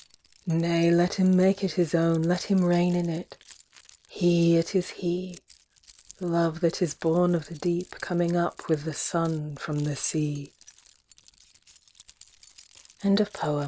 2. Nay, let him make it his own. let him reign in it — he, it is he. Love that is born of the deep coming up with the sun from the